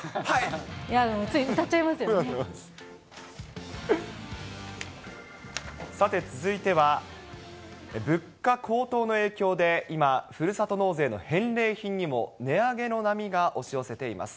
いやでも、つい歌っちゃいまさて続いては、物価高騰の影響で今、ふるさと納税の返礼品にも値上げの波が押し寄せています。